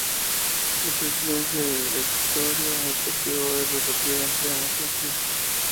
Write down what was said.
La presidencia del Directorio Ejecutivo es rotativa, entre ambos socios.